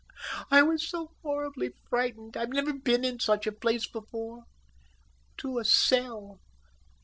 I was so horribly frightened, I'd never been in such a place before—to a cell.